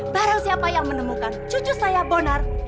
barang siapa yang menemukan cucu saya bonar